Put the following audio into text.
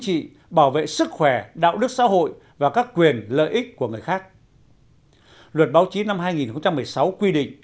trị bảo vệ sức khỏe đạo đức xã hội và các quyền lợi ích của người khác luật báo chí năm hai nghìn một mươi sáu quy định